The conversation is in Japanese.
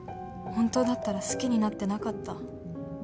本当だったら好きになってなかった？